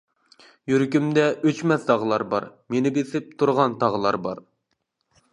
يۈرىكىمدە ئۆچمەس داغلار بار، مېنى بېسىپ تۇرغان تاغلار بار.